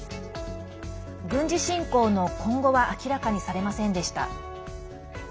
軍事侵攻の今後は明らかにされませんでした。